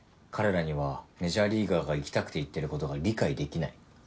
彼らにはメジャーリーガーが行きたくて行ってることが理解できない。